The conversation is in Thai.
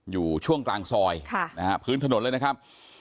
อยู่ช่วงกลางซอยพื้นถนนเลยนะครับ